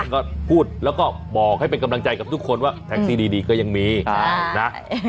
ก็พูดแล้วก็บอกให้เป็นกำลังใจกับทุกคนว่าแท็กซี่ดีก็ยังมีนะ